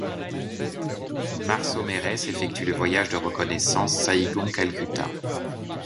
Marceau Meresse effectue le voyage de reconnaissance Saïgon-Calcutta...